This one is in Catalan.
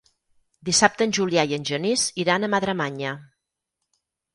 Dissabte en Julià i en Genís iran a Madremanya.